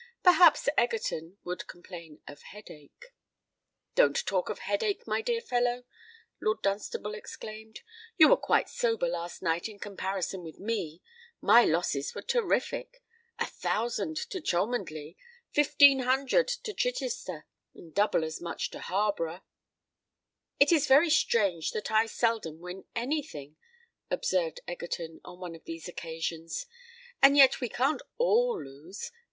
Perhaps Egerton would complain of headach. "Don't talk of headach, my dear fellow," Lord Dunstable exclaimed: "you were quite sober last night in comparison with me. My losses were terrific! A thousand to Cholmondeley—fifteen hundred to Chichester—and double as much to Harborough." "It is very strange that I seldom win any thing," observed Egerton on one of these occasions: "and yet we can't all lose.